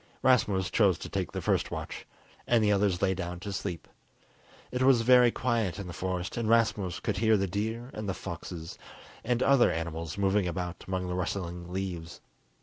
Rasmus chose to take the first watch, and the others lay down to sleep. It was very quiet in the forest, and Rasmus could hear the deer and foxes and other animals moving about among the rustling leaves.